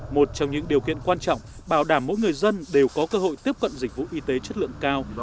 một trong những điều kiện quan trọng bảo đảm mỗi người dân đều có cơ hội tiếp cận dịch vụ y tế chất lượng cao